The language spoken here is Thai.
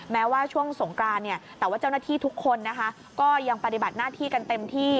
แม้ว่าช่วงสงกรานเนี่ยแต่ว่าเจ้าหน้าที่ทุกคนนะคะก็ยังปฏิบัติหน้าที่กันเต็มที่